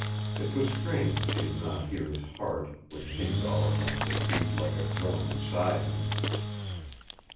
It was strange she did not hear his heart, which seemed all at once to beat like a drum inside him!